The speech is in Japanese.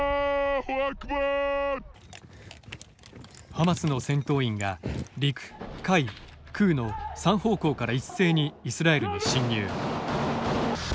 ハマスの戦闘員が陸、海、空の３方向から一斉にイスラエルに侵入。